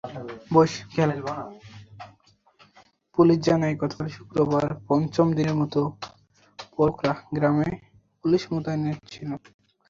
Police জানায়, গতকাল শুক্রবার পঞ্চম দিনের মতো পোরকরা গ্রামে পুলিশ মোতায়েন ছিল।